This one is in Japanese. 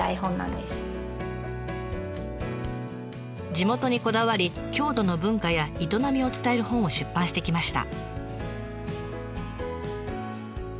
地元にこだわり郷土の文化や営みを伝える本を出版してきました。